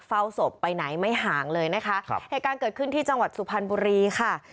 เฝ้าศพไปไหนไม่ห่างเลยนะคะครับเหตุการณ์เกิดขึ้นที่จังหวัดสุพรรณบุรีค่ะ